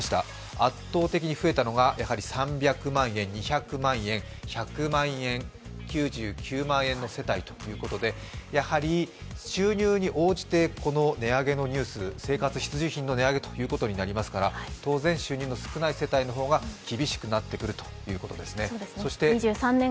圧倒的に増えたのが３００万円、２００万円１００万円、９９万円の世帯ということで、やはり収入に応じてこの値上げのニュース、生活必需品の値上げということになりますから当然収入の少ない世帯の方が厳しくなってくるということですね。